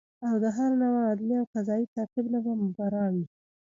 او د هر نوع عدلي او قضایي تعقیب نه به مبرا وي